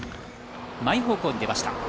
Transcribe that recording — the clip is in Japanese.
前方向に出ました。